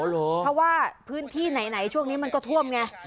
เพราะว่าพื้นที่ไหนช่วงนี้มันก็ท่วมไง